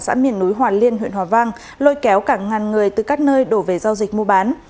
xã miền núi hòa liên huyện hòa vang lôi kéo cả ngàn người từ các nơi đổ về giao dịch mua bán